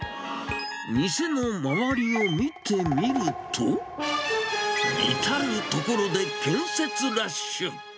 店の周りを見てみると、至る所で建設ラッシュ。